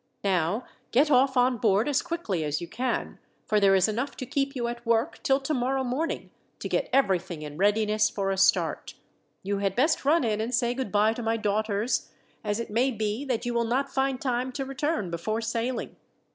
Now get off on board as quickly as you can, for there is enough to keep you at work, till tomorrow morning, to get everything in readiness for a start. You had best run in and say goodbye to my daughters, as it may be that you will not find time to return before sailing.